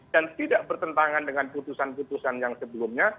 dan tidak bertentangan dengan putusan putusan yang sebelumnya